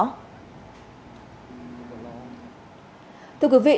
thưa quý vị thực hiện chỉ đạo